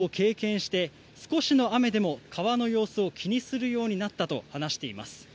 ホテルの方に話を聞きますと豪雨を経験して少しの雨でも川の様子を気にするようになったと話しています。